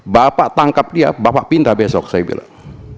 bapak tangkap dia bapak pindah besok saya bilang